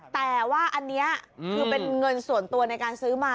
แต่ว่าอันนี้คือเป็นเงินส่วนตัวในการซื้อมา